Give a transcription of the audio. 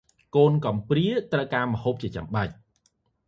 កូនកំព្រា ត្រូវការម្ហូបជាចាំបាច់ ។